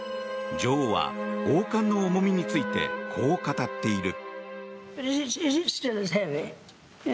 女王は王冠の重みについてこう語っている。